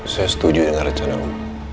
saya setuju dengan rencana umum